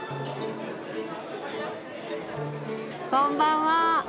こんばんは。